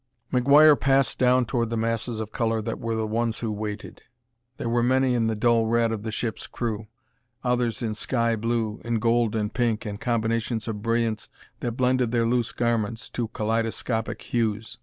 McGuire passed down toward the masses of color that were the ones who waited. There were many in the dull red of the ship's crew; others in sky blue, in gold and pink and combinations of brilliance that blended their loose garments to kaleidoscopic hues.